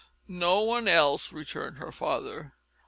"No one else," returned her father.